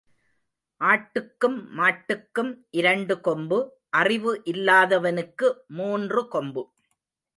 ஆட்டுக்கும் மாட்டுக்கும் இரண்டு கொம்பு அறிவு இல்லாதவனுக்கு மூன்று கொம்பு.